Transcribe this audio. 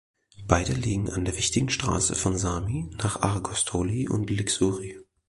Beide liegen an der wichtigen Straße von Sami nach Argostoli und Lixouri.